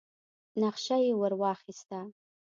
نخشه يې ور واخيسه.